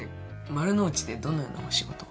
丸の内でどのようなお仕事を？